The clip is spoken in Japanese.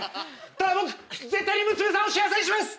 ただ僕絶対に娘さんを幸せにします！